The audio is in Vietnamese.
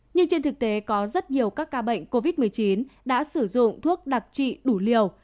nhưng trên thực tế có rất nhiều các ca bệnh covid một mươi chín đã sử dụng thuốc đặc trị đủ liều